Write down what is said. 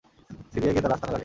Syria গিয়ে তারা আস্তানা গাড়ে।